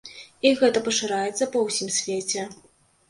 І гэта пашыраецца па ўсім свеце.